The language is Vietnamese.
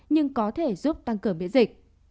nhưng có thể giúp tăng cường biến dịch